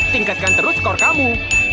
tingkatkan terus skor kamu